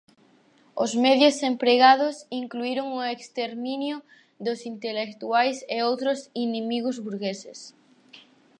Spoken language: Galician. Os medios empregados incluíron o exterminio dos intelectuais e outros ""inimigos burgueses"".